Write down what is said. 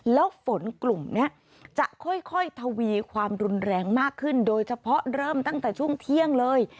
แล้วฝนกลุ่มนี้จะค่อยทวีความรุนแรงมากขึ้นโดยเฉพาะเริ่มตั้งแต่ช่วงเที่ยงเลย